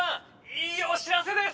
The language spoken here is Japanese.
いいお知らせです！